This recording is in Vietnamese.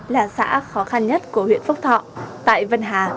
là xã khó khăn nhất của huyện phúc thọ tại vân hà